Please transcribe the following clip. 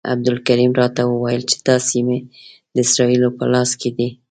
عبدالکریم راته وویل چې دا سیمې د اسرائیلو په لاس کې دي.